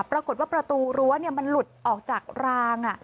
ปรากฏว่าประตูรั้วมันหลุดออกจากราง